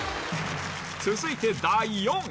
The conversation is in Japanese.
続いて第４位。